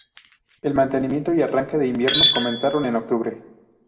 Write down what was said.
El mantenimiento y atraque de invierno comenzaron en octubre.